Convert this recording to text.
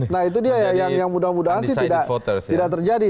nah itu dia ya yang mudah mudahan sih tidak terjadi